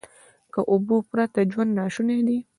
له اوبو پرته ژوند ناشونی دی.